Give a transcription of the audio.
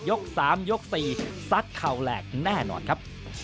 ๓ยก๔ซัดเข่าแหลกแน่นอนครับ